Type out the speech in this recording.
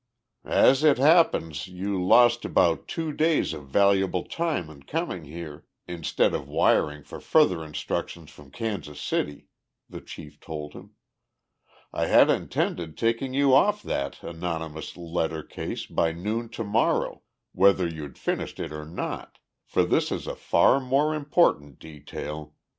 "As it happens, you lost about two days of valuable time in coming here, instead of wiring for further instructions from Kansas City," the chief told him. "I had intended taking you off that anonymous letter case by noon to morrow, whether you'd finished it or not, for this is a far more important detail.